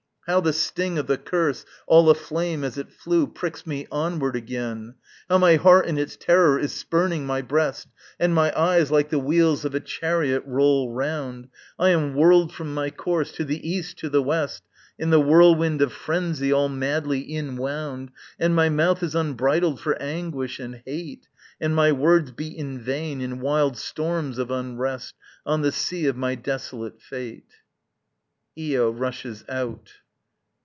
How the sting of the curse, all aflame as it flew, Pricks me onward again! How my heart in its terror is spurning my breast, And my eyes, like the wheels of a chariot, roll round! I am whirled from my course, to the east, to the west, In the whirlwind of phrensy all madly inwound And my mouth is unbridled for anguish and hate, And my words beat in vain, in wild storms of unrest, On the sea of my desolate fate. [_IO rushes out.